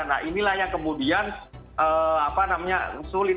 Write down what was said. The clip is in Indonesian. nah inilah yang kemudian sulit